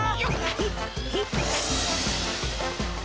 ほっほっ！